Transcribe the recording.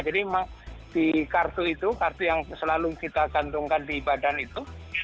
jadi di kartu itu kartu yang selalu kita gantungkan di badan itu